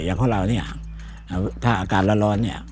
อย่างของเราถ้าอากาศร้อนนี่